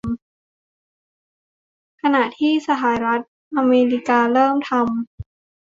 ขณะที่สหรัฐอเมริกาเริ่มทำ